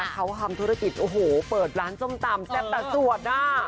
เขาทำธุรกิจโอ้โหเปิดร้านส้มตำแซ่บแต่สวดอ่ะ